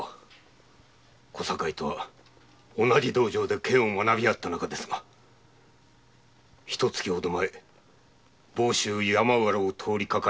小堺とは同じ道場で剣を学びあった仲ですがひと月ほど前房州山浦を通りかかりました